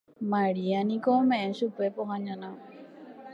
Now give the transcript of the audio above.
Maria niko ome'ẽ chupe pohã ñana